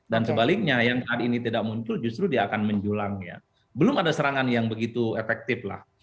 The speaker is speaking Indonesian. dan sebaliknya yang saat ini tidak muncul justru dia akan menjulang ya belum ada serangan yang begitu efektif lah